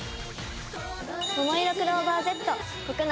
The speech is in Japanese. ももいろクローバーＺ国内